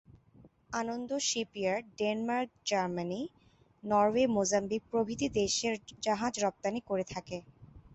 আনন্দ shipyard Denmark, Germany, Norway, Mozambique প্রভৃতি দেশে জাহাজ রপ্তানী করে থাকে।